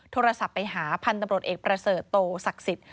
โทรศัพท์ไปหาพันธุ์ตำรวจเอกประเสริฐโตศักดิ์สิทธิ์